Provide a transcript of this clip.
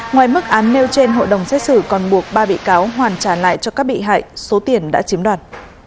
ngoài mức án nêu trên hội đồng xét xử còn buộc ba bị cáo hoàn trả lại cho các bị hại số tiền đã chiếm đoạt